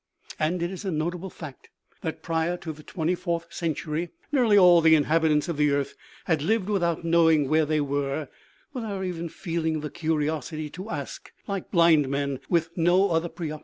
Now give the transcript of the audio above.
And it is a notable fact that prior to the twenty fourth century, nearly all the inhabitants of the earth had lived without knowing where they were, without even feeling the curiosity to ask, like blind men, with no other preoc OMEGA.